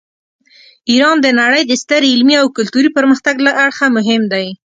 ایران د نړۍ د ستر علمي او کلتوري پرمختګ له اړخه مهم دی.